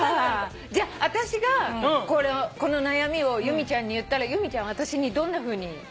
じゃああたしがこの悩みを由美ちゃんに言ったら由美ちゃんは私にどんなふうに。